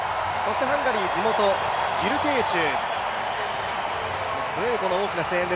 ハンガリー地元、ギュルケーシュ。